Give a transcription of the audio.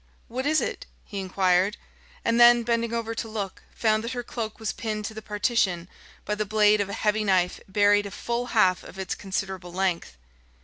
"What is it?" he enquired; and then, bending over to look, found that her cloak was pinned to the partition by the blade of a heavy knife buried a full half of its considerable length.